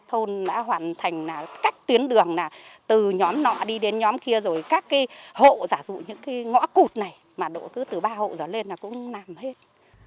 thôn đã hoàn thành là cách tuyến đường là từ nhóm nọ đi đến nhóm kia rồi các cái hộ giả dụ những cái ngõ cụt này mà độ cứ từ ba hộ rồi lên là cũng làm hết